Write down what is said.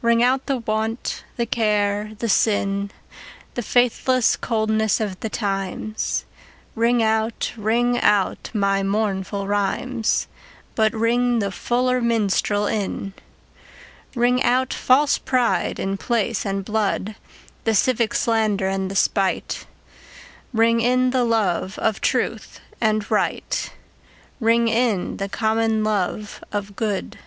Ring out the want, the care the sin, The faithless coldness of the times; Ring out, ring out my mournful rhymes, But ring the fuller minstrel in. Ring out false pride in place and blood, The civic slander and the spite; Ring in the love of truth and right, Ring in the common love of good.